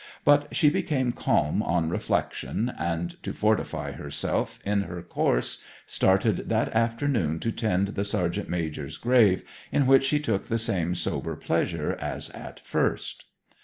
But she became calm on reflection, and to fortify herself in her course started that afternoon to tend the sergeant major's grave, in which she took the same sober pleasure as at first.